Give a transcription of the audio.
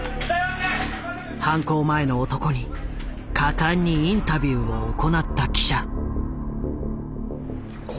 犯行前の男に果敢にインタビューを行った記者。